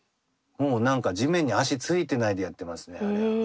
もうなんか地面に足ついてないでやってますねあれは。